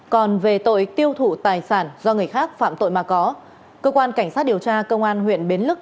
còn về tội tiêu thụ tài sản do người khác phạm tội mà có cơ quan cảnh sát điều tra công an huyện bến lức